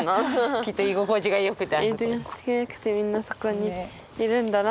きっと居心地が良くて。